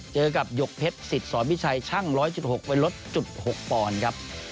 เจอกับหยกเพชรศพิชัยช่างร้อยจุดหกลดจุดหกปอนครับ